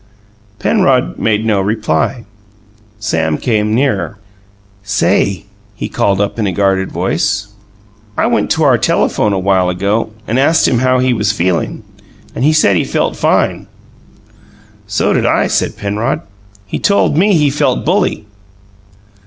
Penrod made no reply. Sam came nearer. "Say," he called up in a guarded voice, "I went to our telephone a while ago and ast him how he was feelin', and he said he felt fine!" "So did I," said Penrod. "He told me he felt bully!"